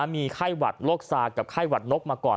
มีไข้หวัดโรคซากับไข้หวัดนกมาก่อน